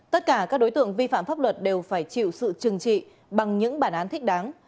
tất cả các đối tượng vi phạm pháp luật đều phải chịu sự trừng trị bằng những bản án thích đáng